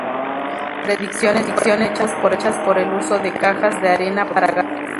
Sus predicciones fueron hechas por el uso de cajas de arena para gatos.